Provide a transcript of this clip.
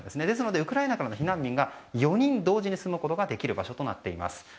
ですのでウクライナからの避難民が４人同時に住むことができる場所となっています。